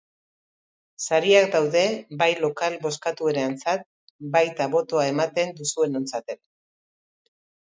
Sariak daude bai lokal bozkatuenentzat, baita botoa ematen duzuenontzat ere.